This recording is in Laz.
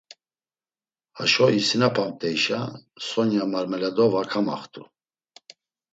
Haşo isinapamt̆eyşa, Sonya Marmeladova kamaxt̆u.